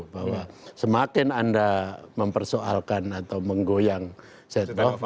bahwa semakin anda mempersoalkan atau menggoyang setnov